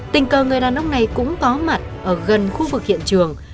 tình cờ người đàn ông này cũng có mặt ở gần khu vực hiện trường